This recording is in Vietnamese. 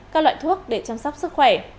các loại thuốc để chăm sóc sức khỏe